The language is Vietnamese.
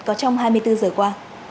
có trong hai mươi bốn giờ qua